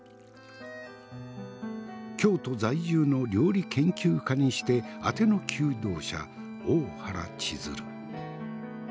京都在住の料理研究家にしてあての求道者大原千鶴。